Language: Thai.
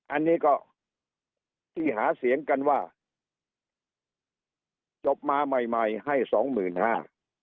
อันนี้ก็ที่หาเสียงกันว่าจบมาใหม่ใหม่ให้สองหมื่นห้า